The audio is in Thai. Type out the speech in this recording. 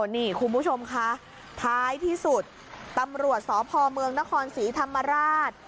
นี่คุณผู้ชมคะท้ายที่สุดตำรวจสพเมืองนครศรีธรรมราช